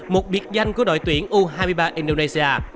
một biệt danh của đội tuyển u hai mươi ba indonesia